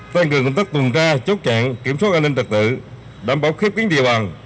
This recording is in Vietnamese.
tăng cường công tác tùm ra chốt chạy kiểm soát an ninh trật tự đảm bảo khiếp tuyến địa bàn